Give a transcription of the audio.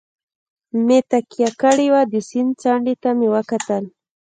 مې تکیه کړې وه، د سیند څنډې ته مې وکتل.